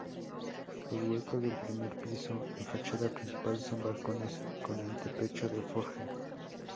Los huecos del primer piso, en fachada principal, son balcones con antepecho de forja.